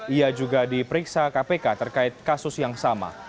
ia juga diperiksa kpk terkait kasus yang sama